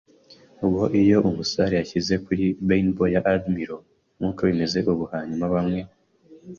bo. Iyo umusare yashize kuri Benbow ya Admiral (nkuko bimeze ubu hanyuma bamwe